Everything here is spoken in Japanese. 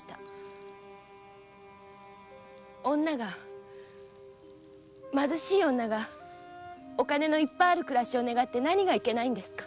女が貧しい女がお金のいっぱいある暮らしを願って何がいけないんですか！